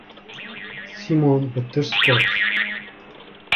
Sîmon bi tirs got: